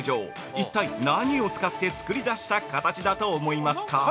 一体、何を使って作り出した形だと思いますか？